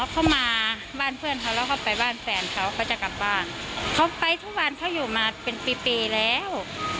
เขามาบ้านเพื่อนเขาแล้วก็ไปบ้านแฟนเขาก็จะกลับบ้านเขาไปทุกวันเขาอยู่มาเป็นปีปีแล้ว